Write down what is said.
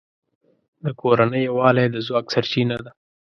د کورنۍ یووالی د ځواک سرچینه ده.